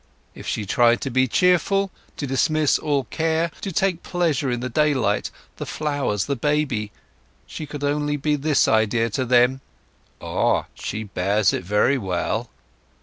If she tried to be cheerful, to dismiss all care, to take pleasure in the daylight, the flowers, the baby, she could only be this idea to them—"Ah, she bears it very well."